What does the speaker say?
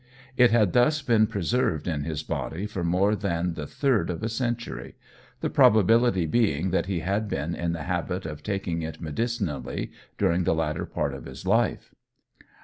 It had thus been preserved in his body for more than the third of a century, the probability being, that he had been in the habit of taking it medicinally during the latter part of his life.